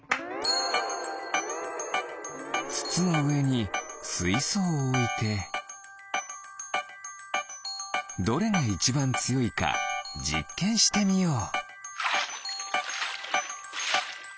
つつのうえにすいそうをおいてどれがいちばんつよいかじっけんしてみよう。